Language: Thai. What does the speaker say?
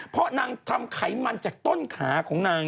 เพราะนางทำไขมันจากต้นขาของนาง